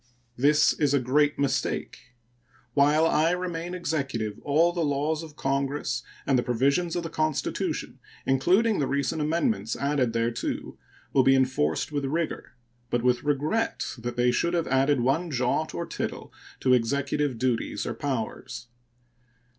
This is a great mistake. While I remain Executive all the laws of Congress and the provisions of the Constitution, including the recent amendments added thereto, will be enforced with rigor, but with regret that they should have added one jot or tittle to Executive duties or powers.